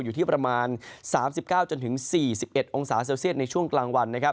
อยู่ที่ประมาณ๓๙จนถึง๔๑องศาเซลเซียตในช่วงกลางวัน